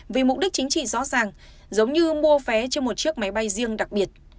vì mục đích chính trị rõ ràng giống như mua vé cho một chiếc máy bay riêng đặc biệt